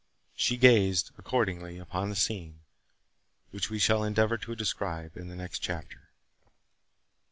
She gazed, accordingly, upon the scene, which we shall endeavour to describe in the next chapter.